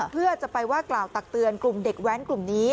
เพื่อจะไปว่ากล่าวตักเตือนกลุ่มเด็กแว้นกลุ่มนี้